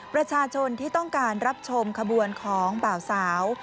ประชาชนที่ต้องการรับชมขบวนของบ่าวสาว